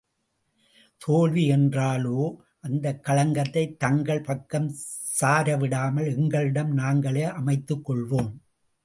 தோல்வி என்றாலோ அந்தக் களங்கத்தைத் தங்கள் பக்கம் சாரவிடாமல் எங்களிடம் நாங்களே அமைத்துக் கொள்வோம்.